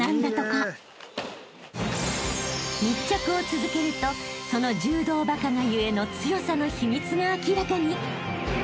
［密着を続けるとその柔道バカが故の強さの秘密が明らかに！］